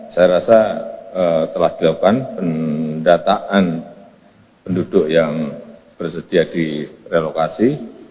saya rasa telah dilakukan pendataan penduduk yang bersedia direlokasi